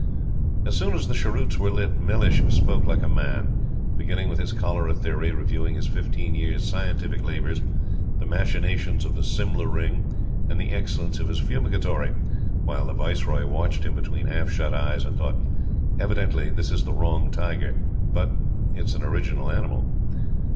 As soon as the cheroots were lit, Mellish spoke like a man; beginning with his cholera theory, reviewing his fifteen years' "scientific labors," the machinations of the "Simla Ring," and the excellence of his Fumigatory, while the Viceroy watched him between half shut eyes and thought: "Evidently, this is the wrong tiger; but it is an original animal."